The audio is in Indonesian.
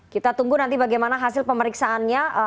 kita tunggu nanti bagaimana hasil pemeriksaannya